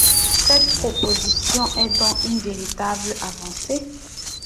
Cette proposition est donc une véritable avancée.